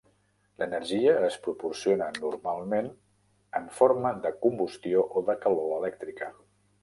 L'energia es proporciona normalment en forma de combustió o de calor elèctrica.